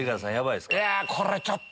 いやこれちょっと。